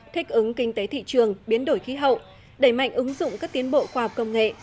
thích ứng kinh tế thị trường biến đổi khí hậu đẩy mạnh ứng dụng các tiến bộ khoa học công nghệ